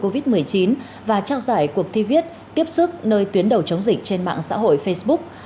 covid một mươi chín và trao giải cuộc thi viết tiếp sức nơi tuyến đầu chống dịch trên mạng xã hội facebook